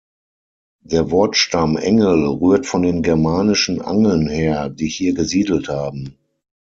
Der Wortstamm „engel“ rührt von den germanischen Angeln her, die hier gesiedelt haben.